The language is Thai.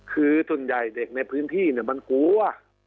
คือส่วนใหญ่เด็กในพื้นที่มันกลัว